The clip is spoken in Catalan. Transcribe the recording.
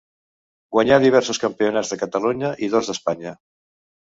Guanyà diversos campionats de Catalunya i dos d'Espanya.